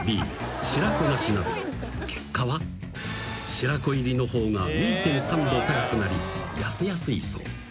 ［白子入りの方が２．３℃高くなり痩せやすいそう］